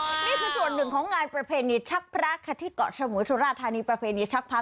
นี่คือส่วนหนึ่งของงานประเพณีชักพระค่ะที่เกาะสมุยสุราธานีประเพณีชักพระ